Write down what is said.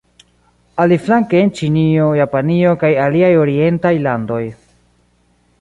Aliflanke en Ĉinio, Japanio kaj aliaj orientaj landoj.